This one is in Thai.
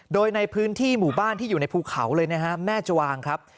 โดยในพื้นที่หมู่บ้านที่อยู่ในภูเขาเลยนะฮะแม่จวางครับ